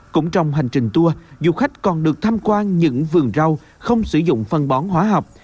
cũng trong hành trình tour du khách còn được tham quan những vườn rau không sử dụng phân bón hóa học